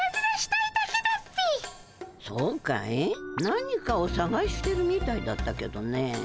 何かをさがしてるみたいだったけどね。